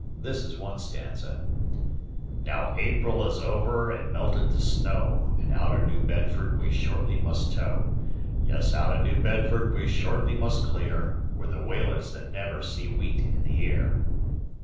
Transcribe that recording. This is one stanza: "Now Aprile is over and melted the snow, And outer Noo Bedford we shortly must tow; Yes, out o' Noo Bedford we shortly must clear, We're the whalers that never see wheat in the ear."